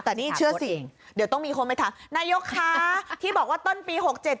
แต่นี่เชื่อสิเดี๋ยวต้องมีคนไปถามนายกคะที่บอกว่าต้นปี๖๗